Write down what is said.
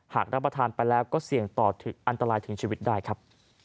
หากรับประทานไปแล้วก็เสี่ยงต่ออันตรายถึงชีวิตได้ครับ